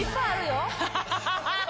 ハハハハ！